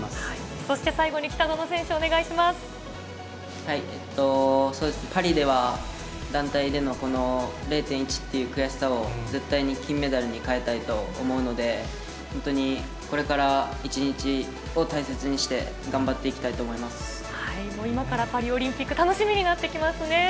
そして最後に北園選手、パリでは、団体でのこの０．１という悔しさを絶対に金メダルに変えたいと思うので、本当にこれから一日を大切にして、頑張っていきたいと思もう今からパリオリンピック楽しみになってきますね。